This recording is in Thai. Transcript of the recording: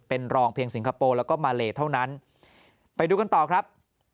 เป็นรองเพียงสิงคโปร์แล้วก็มาเลเท่านั้นไปดูกันต่อครับ